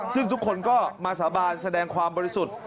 ซึ่งทุกคนก็มาสาบานแสดงความบริสุทธิ์